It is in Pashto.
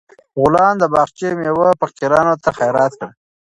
غلام د باغچې میوه فقیرانو ته خیرات کړه.